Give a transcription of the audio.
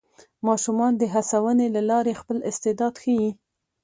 ماشومان د هڅونې له لارې خپل استعداد ښيي